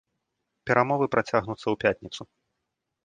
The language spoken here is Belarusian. Перамовы працягнуцца ў пятніцу.